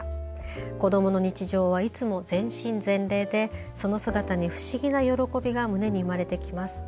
子どもの日常はいつも全身全霊でその姿に不思議な喜びが胸に生まれてきます。